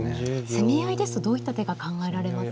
攻め合いですとどういった手が考えられますか。